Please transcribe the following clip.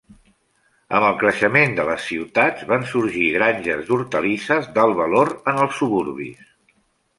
Amb el creixement de les ciutats, van sorgir granges d'hortalisses d'alt valor en els suburbis.